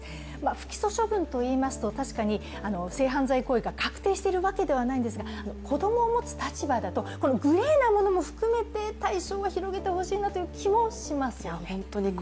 不起訴処分といいますと、確かに性犯罪行為が確定しているわけではないんですが、子供を持つ立場だと、グレーなものを含めて対処を広げてほしいなという気持ちもしますよね。